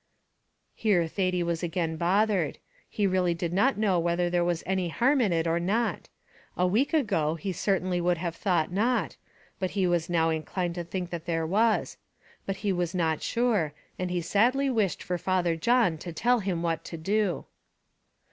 Here Thady was again bothered; he really did not know whether there was any harm in it or not; a week ago he certainly would have thought not, but he was now inclined to think that there was; but he was not sure, and he sadly wished for Father John to tell him what to do.